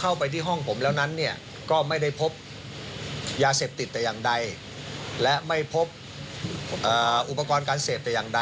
ค่ะฟังเสียงคุณเสกค่ะ